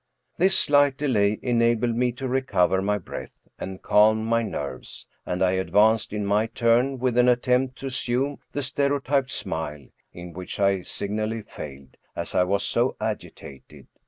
This slight delay enabled me to recover my breath and calm my nerves, and I advanced in my turn with an at tempt to assume the stereotyped smile, in which I signally failed, as I was so agitated.